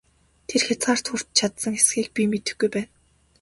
Тэр хязгаарт хүрч чадсан эсэхийг би мэдэхгүй байна!